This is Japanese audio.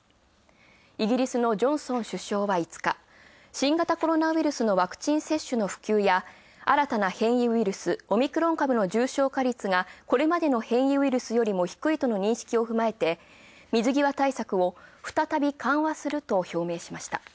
イギリスのジョンソン首相は５日、新型コロナウイルスのワクチン接種の普及や新たな変異ウイルス、オミクロン株の重症化率が、これまでの変異ウイルスよりも低いとの認識を踏まえて、水際対策を再び緩和すると表明しました。